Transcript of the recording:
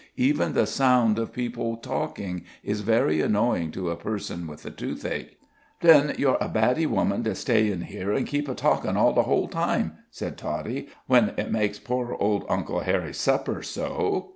Even the sound of people talking is very annoying to a person with the toothache." "Then you's a baddy woman to stay in here an' keep a talkin' all the whole time," said Toddie, "when it makes poor old Uncle Harry supper so.